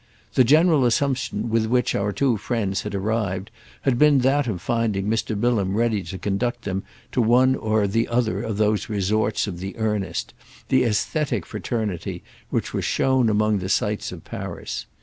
The general assumption with which our two friends had arrived had been that of finding Mr. Bilham ready to conduct them to one or other of those resorts of the earnest, the æsthetic fraternity which were shown among the sights of Paris.